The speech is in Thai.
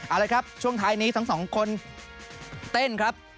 อ้าวล่ะครับช่วงท้ายนี้สองคนเต้นครับ